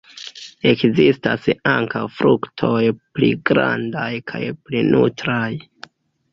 Ekzistas ankaŭ fruktoj pli grandaj kaj pli nutraj.